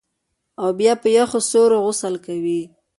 او بیا په یخو سیورو غسل کوي